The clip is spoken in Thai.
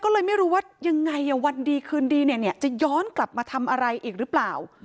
ก็เลยไม่รู้ว่ายังไงวันดีคืนดีจะย้อนกลับมาทำอะไรอีกหรือเปล่า